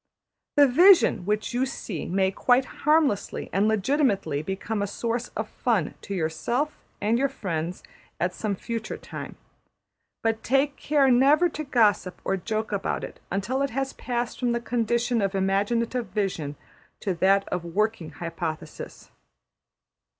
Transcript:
The vision which you see may quite harmlessly and legitimately become a source of fun to yourself and your friends at some future time, but take care never to gossip or joke about it until it has passed from the condition of imaginative vision to that of working hypothesis.